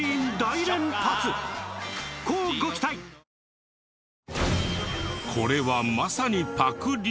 ＪＴこれはまさにパクリ！？